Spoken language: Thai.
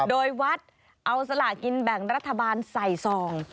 โดยวัดเอาสลากินแบ่งรัฐบาลใส่ซอง